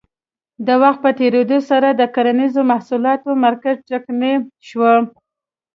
د وخت په تېرېدو سره د کرنیزو محصولاتو مارکېټ ټکنی شو.